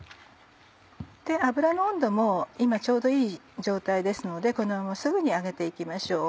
油の温度も今ちょうどいい状態ですのでこのまますぐに揚げて行きましょう。